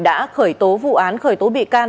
đã khởi tố vụ án khởi tố bị can